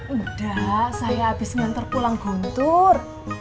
mudah saya habis ngantar pulang guntur